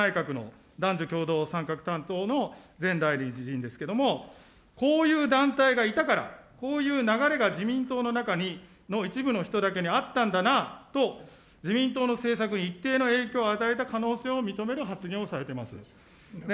前男女共同参画大臣、岸田内閣の男女共同参画担当の前大臣ですけれども、こういう団体がいたから、こういう流れが自民党の中の一部の人だけにあったんだなぁと、自民党の政策に一定の影響を与えた可能性を認める発言をされてます。